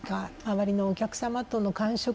周りのお客様との感触